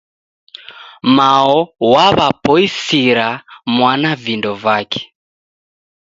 Mao waw'apoisira mwana vindo vake